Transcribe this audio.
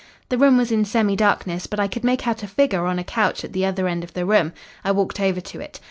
The room was in semi darkness, but I could make out a figure on a couch at the other end of the room. I walked over to it.